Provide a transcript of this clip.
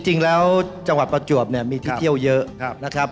จริงแล้วจังหวัดประจวบมีที่เที่ยวเยอะนะครับ